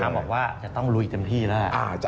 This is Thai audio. คุณท้ำบอกว่าจะต้องลุยเต็มที่แล้ว